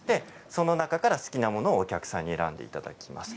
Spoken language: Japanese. その中から好きなものをお客さんに選んでいただきます。